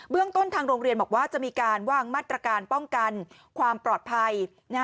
เรื่องต้นทางโรงเรียนบอกว่าจะมีการวางมาตรการป้องกันความปลอดภัย